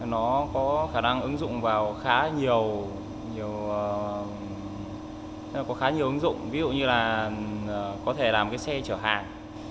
nó có khả năng ứng dụng vào khá nhiều có khá nhiều ứng dụng ví dụ như là có thể làm cái xe chở hàng